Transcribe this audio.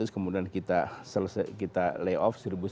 kemudian kita lay off satu seratus